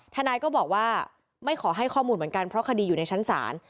ทนายก็บอกว่าไม่ขอให้ข้อมูลเหมือนกันเพราะคดีอยู่ในชั้นศาล